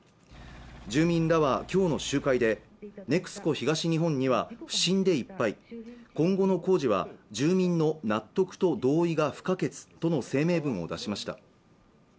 住民らはきょうの集会でＮＥＸＣＯ東日本には不信でいっぱい今後の工事は住民の納得と同意が不可欠との声明文を出しました